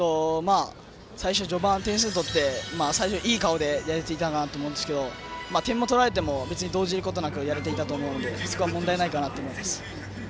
序盤、点数を取っていい顔をしてやれていたなと思いますが点を取られても別に動じることなくやれていたと思うのでそこは問題ないかなと思います。